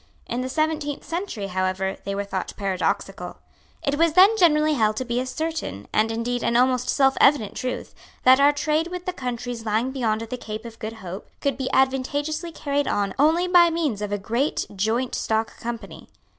In the seventeenth century, however, they were thought paradoxical. It was then generally held to be a certain, and indeed an almost selfevident truth, that our trade with the countries lying beyond the Cape of Good Hope could be advantageously carried on only by means of a great Joint Stock Company.